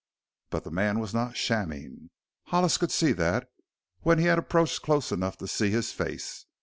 But the man was not shamming; Hollis could see that when he had approached close enough to see his face.